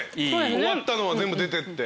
終わったのは全部出てって。